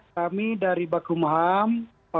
kami dari bakum ham